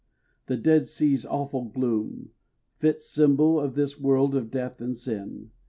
The Dead Sea's awful gloom, Fit symbol of this world of death and sin.